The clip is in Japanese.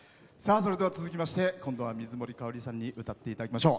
それでは続きまして今度は水森かおりさんに歌っていただきましょう。